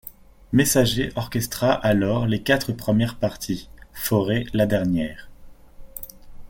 Messager orchestra alors les quatre premières parties, Fauré la dernière.